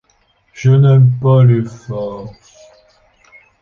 Je n’aime pas les farces…